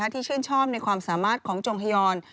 ที่ชื่นชอบในความสามารถของจงฮยอน